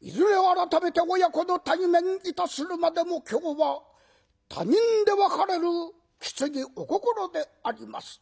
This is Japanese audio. いずれは改めて親子の対面いたするまでも今日は他人で別れるきついお心であります。